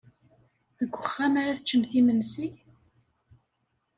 Deg uxxam ara teččemt imensi?